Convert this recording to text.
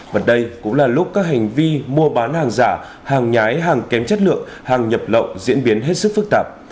và đây cũng là lúc các hành vi mua bán hàng giả hàng nhái hàng kém chất lượng hàng nhập lậu diễn biến hết sức phức tạp